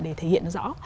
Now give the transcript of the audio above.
để thể hiện nó rõ